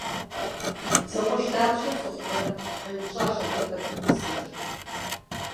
- Зэкъуэш дапщэ фыхъурэ? - къеупщӀащ абы хэту бысымыр.